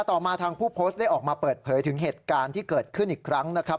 ต่อมาทางผู้โพสต์ได้ออกมาเปิดเผยถึงเหตุการณ์ที่เกิดขึ้นอีกครั้งนะครับ